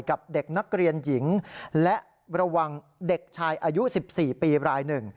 กับเด็กนักเรียนหญิงและระวังเด็กชายอายุ๑๔ปีราย๑